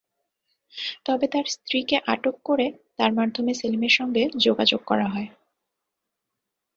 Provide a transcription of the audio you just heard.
তবে তাঁর স্ত্রীকে আটক করে তাঁর মাধ্যমে সেলিমের সঙ্গে যোগাযোগ করা হয়।